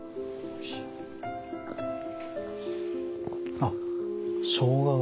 あっしょうがが。